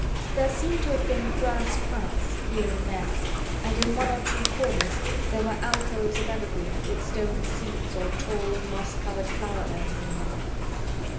There seemed to have been grass paths here and there, and in one or two corners there were alcoves of evergreen with stone seats or tall moss covered flower urns in them.